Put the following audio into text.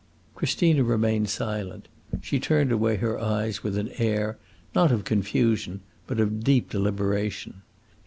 Christina remained silent; she turned away her eyes with an air, not of confusion, but of deep deliberation.